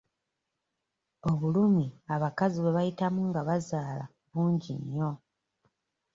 Obulumi abakazi bwe bayitamu nga bazaala bungi nnyo.